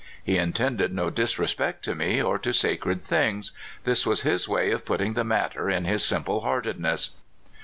He intended no disrespect to me or to sacred things — this was his way of put ting the matter in his simple heartedness.